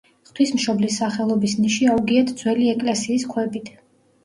ღვთისმშობლის სახელობის ნიში აუგიათ ძველი ეკლესიის ქვებით.